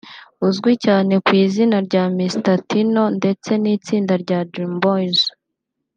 uzwi cyane ku izina rya Mc Tino ndetse n’itsinda rya Dream Boys